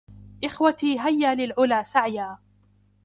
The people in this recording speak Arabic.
إخوتي هيـا للعلى سعيا